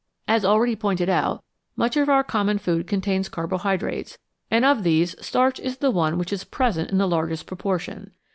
As already pointed out, much of our common food contains carbohydrates, and of these starch is the one which is present in the largest proportion.